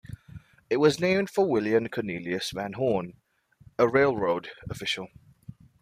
It was named for William Cornelius Van Horne, a railroad official.